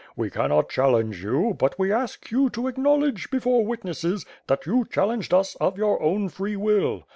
We cannot challenge you, but we ask you to acknowledge, before witnesses, that you challenged us of your own free will.